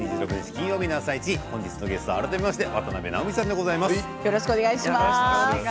金曜日の「あさイチ」本日のゲスト、改めまして渡辺直美さんでございます。